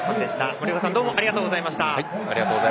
森岡さん、どうもありがとうございました。